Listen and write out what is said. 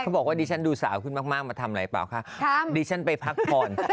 บอกว่าดิฉันดูสาวขึ้นมากมาทำอะไรเปล่าคะดิฉันไปพักผ่อน